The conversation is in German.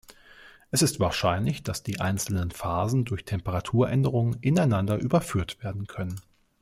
Es ist wahrscheinlich, dass die einzelnen Phasen durch Temperaturänderung ineinander überführt werden können.